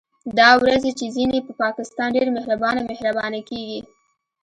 دا ورځې چې ځينې په پاکستان ډېر مهربانه مهربانه کېږي